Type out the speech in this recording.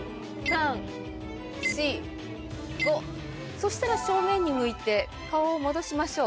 そしたら正面に向いて顔を戻しましょう。